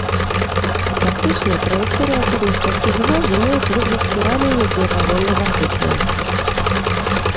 Фактычна, траекторыі асобных часціц газу маюць выгляд спіралей, якія павольна закручваюцца.